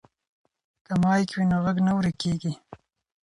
که مایک وي نو غږ نه ورکیږي.